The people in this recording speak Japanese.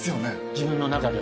自分の中で。